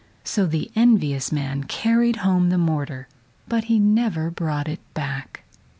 So the envious man carried home the mortar, but he never brought it back.